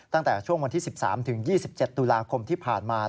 ตั้งแต่ช่วงวันที่๑๓๒๗ตุลาคมที่ผ่านมา